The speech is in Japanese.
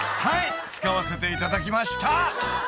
［はい。使わせていただきました］